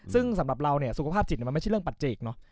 ซึ่งสำหรับเราเนี่ยสุขภาพจิตมันไม่ใช่เรื่องปัจเจกเนอะ